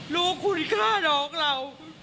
รู้คุณค่าน้องเรา